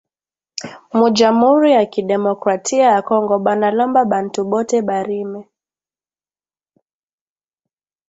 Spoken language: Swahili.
Mu jamuri ya ki democratia ya kongo bana lomba bantu bote barime